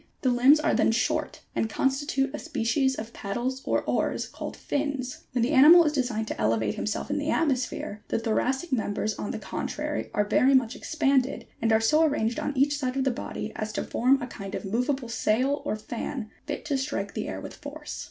The limbs are then short and constitute a species of paddles or oars called fins. When the animal is designed to elevate himself in the atmosphere, the thoracic members on the contrary are very much expanded and are so arranged on each side of the body as to form a kind of moveable sail or fan, fit to strike the air with force.